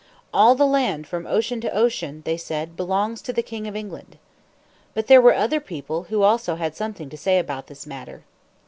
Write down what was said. "All the land from ocean to ocean," they said, "belongs to the King of England." But there were other people who also had something to say about this matter.